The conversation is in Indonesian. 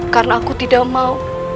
karena aku tidak mau